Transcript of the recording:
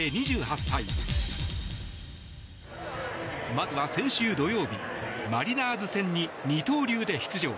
まずは先週土曜マリナーズ戦に二刀流で出場。